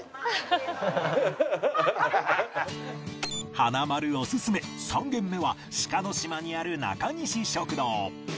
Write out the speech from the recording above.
華丸オススメ３軒目は志賀島にある中西食堂